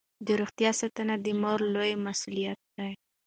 د روغتیا ساتنه د مور لویه مسوولیت ده.